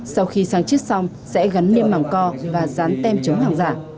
sau khi sang chiết xong sẽ gắn niêm mảng co và dán tem chống hàng giả